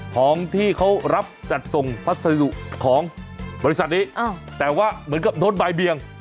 ของที่เขารับจัดส่งพัสดุของบริษัทนี้แต่ว่าเหมือนกับโดนบ่ายเบียง